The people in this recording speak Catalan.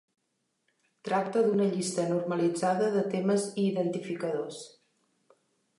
Tracta d'una llista normalitzada de temes i identificadors.